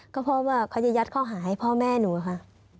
ก็เพราะว่าเขาจะยัดข้อหาให้พ่อแม่หนูค่ะ